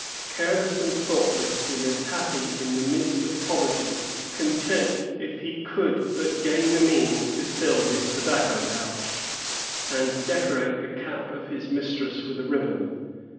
Careless and thoughtless, he lived happy in the midst of poverty, content if he could but gain the means to fill his tobacco pouch, and decorate the cap of his mistress with a ribbon.